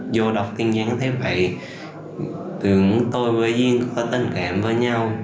tuy nhiên thấy vậy tưởng tôi với duyên có tình cảm với nhau